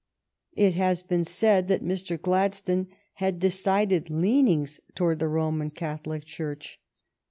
It has been said that Mr. Glad stone had decided leanings towards the Roman Catholic Church.